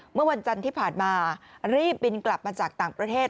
เมื่อวันจันทร์ที่ผ่านมารีบบินกลับมาจากต่างประเทศ